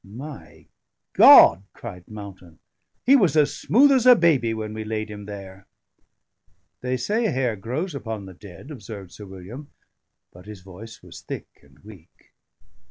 "My God!" cried Mountain, "he was as smooth as a baby when we laid him there!" "They say hair grows upon the dead," observed Sir William; but his voice was thick and weak.